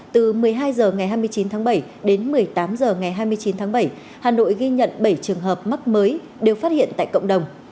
từ một mươi hai h ngày hai mươi chín tháng bảy đến một mươi tám h ngày hai mươi chín tháng bảy hà nội ghi nhận bảy trường hợp mắc mới đều phát hiện tại cộng đồng